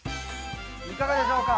いかがでしょうか？